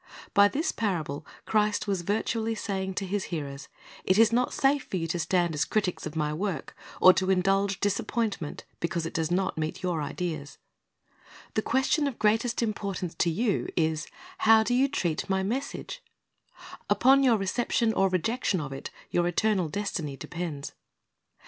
By this parable Christ was virtually saying to His hearers, It is not safe for you to stand as critics of My work, or to indulge disappointment because it does not meet your ideas. The question of ^T. Peter i : i6 ^, j,,],,, i ; 2 44 C Jiri s t^ s ObjectLesso7ts greatest importance to you is, How do you treat My message? Upon your reception or rejection of it your eternal destiny depends.